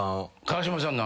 川島さん。